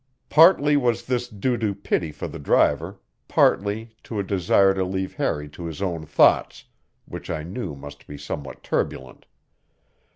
Partly was this due to pity for the driver, partly to a desire to leave Harry to his own thoughts, which I knew must be somewhat turbulent.